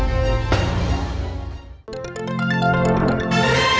ข้อสาม